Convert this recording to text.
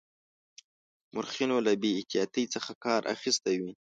مورخینو له بې احتیاطی څخه کار اخیستی وي.